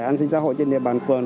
an sinh xã hội trên địa bàn phường